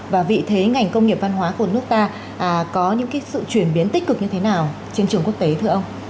và vị thế ngành công nghiệp văn hóa của nước ta có những sự chuyển biến tích cực như thế nào trên trường quốc tế thưa ông